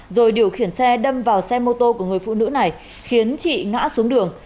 rồi điều khiển xe đâm vào xe mô tô của người phụ nữ này khiến chị ngã xuống đường